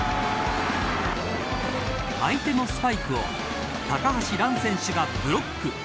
相手のスパイクを高橋藍選手がブロック。